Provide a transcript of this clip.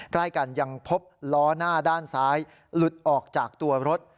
ใกล้กันยังพบล้อหน้าด้านซ้ายหลุดออกจากตัวรถ